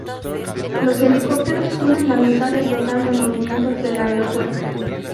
Los helicópteros suman la mitad del total de movimientos del aeropuerto.